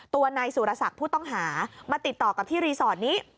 ตัวนายสุรศักดิ์ผู้ต้องหามาติดต่อกับที่รีสอร์ทนี้